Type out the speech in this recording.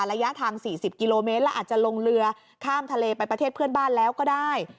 ระยะทาง๔๐กิโลเมตรแล้วอาจจะลงเรือข้ามทะเลไปประเทศเพื่อนบ้านแล้วก็ได้